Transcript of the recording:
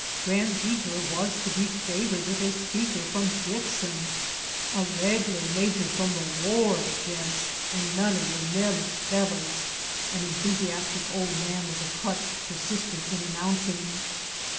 Grand Detour was to be favored with a speaker from Dixon, "a reg'lar major from the war, gents, an' none o' yer m'lish fellers!" an enthusiastic old man with a crutch persisted in announcing.